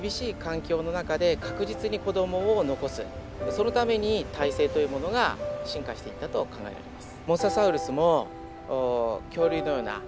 そのために胎生というものが進化していったと考えられます。